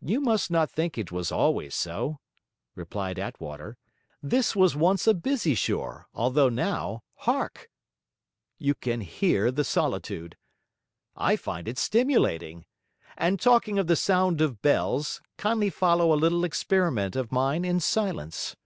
'You must not think it was always so,' replied Attwater, 'This was once a busy shore, although now, hark! you can hear the solitude. I find it stimulating. And talking of the sound of bells, kindly follow a little experiment of mine in silence.'